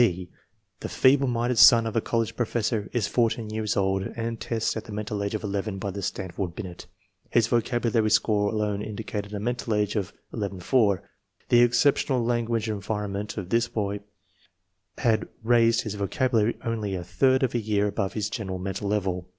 B., the feeble minded son of a college professor, is 14 years old and tests at the mental age of 11 by the Stanford Binet. His vocabulary score alone indicated a mental age of 11 4. The exceptional language environment of this boy had raised his vocabulary only a third of a year above his general mental level.